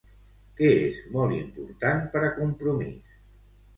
Què és molt important per a Compromís?